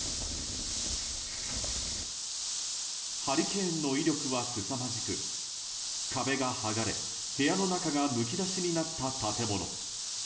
ハリケーンの威力はすさまじく壁が剥がれ、部屋の中がむき出しになった建物。